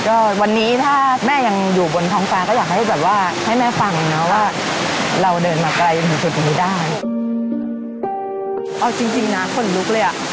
จริงนะขนลุกเลย